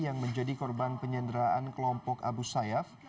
yang menjadi korban penyanderaan kelompok abu sayyaf